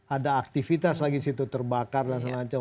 ada aktivitas lagi situ terbakar dan semacam